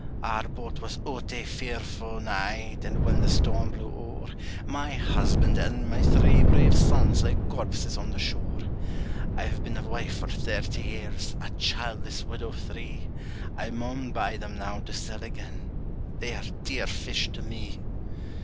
"Our boat was oot ae fearfu' night, And when the storm blew o'er, My husband, and my three brave sons, Lay corpses on the shore. "I've been a wife for thirty years, A childless widow three; I maun buy them now to sell again, They are dear fish to me!"